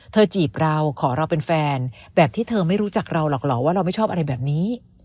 จีบเราขอเราเป็นแฟนแบบที่เธอไม่รู้จักเราหรอกเหรอว่าเราไม่ชอบอะไรแบบนี้